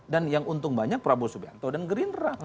dan yang untung banyak prabowo subianto dan gerindra